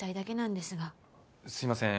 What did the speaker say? すいません。